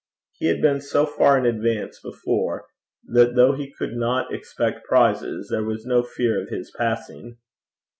He had been so far in advance before, that though he could not expect prizes, there was no fear of his passing.